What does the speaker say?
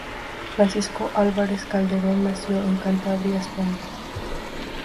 Francisco Álvarez Calderón nació en Cantabria, España.